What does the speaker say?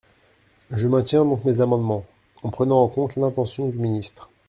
Je maintiens donc mes amendement, en prenant en compte l’intention du ministre.